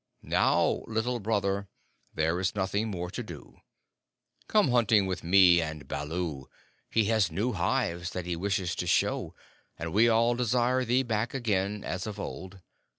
Now, Little Brother, there is nothing more to do. Come hunting with me and Baloo. He has new hives that he wishes to show, and we all desire thee back again as of old.